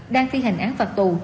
đang thi hành án phạt tù